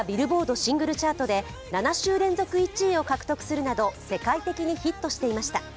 シングルチャートで７週連続１位を獲得するなど世界的にヒットしていました。